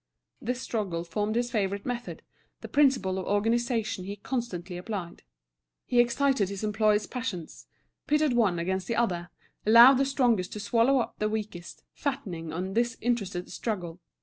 This struggle formed his favourite method, the principle of organisation he constantly applied. He excited his employees' passions, pitted one against the other, allowed the strongest to swallow up the weakest, fattening on this interested struggle.